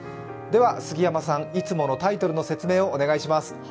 では杉山さん、いつものタイトルの説明をお願いします。